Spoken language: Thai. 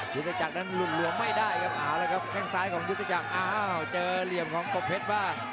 ยุทธจักรนั้นหลุดหลวมไม่ได้ครับเอาละครับแค่งซ้ายของยุทธจักรอ้าวเจอเหลี่ยมของกบเพชรบ้าง